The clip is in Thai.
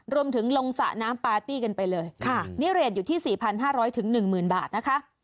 รวมถึงลงสระน้ำปาร์ตี้กันไปเลยนี่เรทอยู่ที่๔๕๐๐๑๐๐๐๐บาทนะคะ